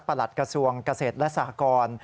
หลัดกระทรวงเกษตรและสหกร